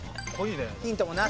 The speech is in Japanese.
ヒントもなし！